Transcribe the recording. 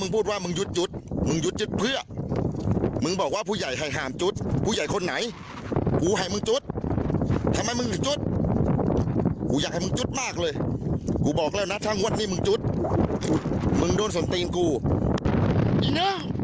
พญานาคก้าหัวตรงเสียนเนี่ยกูจะทุบเองของขึ้นให้ขึ้น